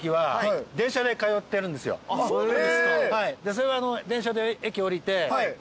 それは電車で駅降りて。